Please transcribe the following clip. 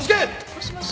もしもし？